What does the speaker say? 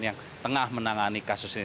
yang tengah menangani kasus ini